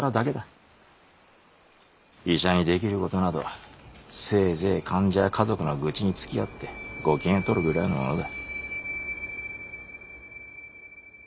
医者にできることなどせいぜい患者や家族の愚痴につきあってご機嫌をとるくらいのものだ。